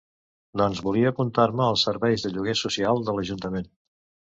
Doncs volia apuntar-me als serveis de lloguer social de l'ajuntament.